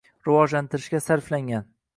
rivojlantirishga sarflangan